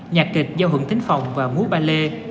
nhạc kịch giao hưởng tính phòng và múa ballet